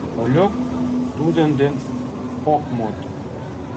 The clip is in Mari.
Олюк тудын ден ок мод.